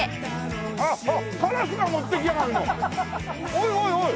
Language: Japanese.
おいおいおい！